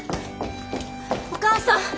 お母さん！